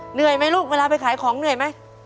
เหนื่อยไหมลูกเวลาไปขายของเหนื่อยไหม